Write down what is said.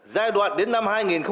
giai đoạn đến năm hai nghìn một mươi